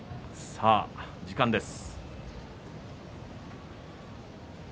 さあ時間です。